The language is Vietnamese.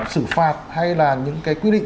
xử phạt hay là những cái quy định